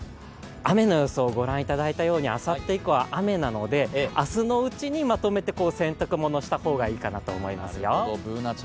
雨の予想、ご覧いただいたように雨なので、明日のうちにまとめて洗濯物をした方がいいかなと思います。